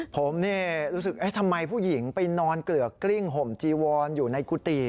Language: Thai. ผมรู้สึกทำไมผู้หญิงไปนอนเกลือกกลิ้งห่มจีวอนอยู่ในกุฏิ